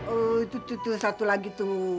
eh tuh tuh tuh satu lagi tuh